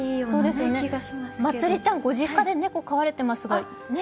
まつりちゃんご実家で猫飼われてますが。